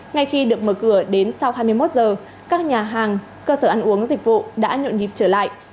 ngay khi được mở cửa đến sau hai mươi một giờ các nhà hàng cơ sở ăn uống dịch vụ đã nhộn nhịp trở lại